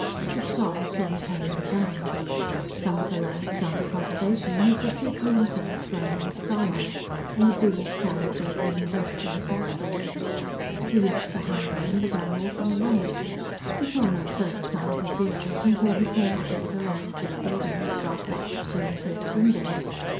The stars shone palely down. Some of the land was under cultivation, and he could see green things growing in the starlight, and the breeze carried their green breath to his nostrils. He reached the highway and began walking along it. He saw no further sign of vehicles till he came opposite a large brick building with bright light spilling through its windows.